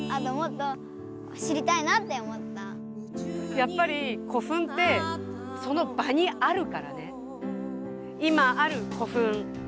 やっぱり古墳ってその場にあるからね。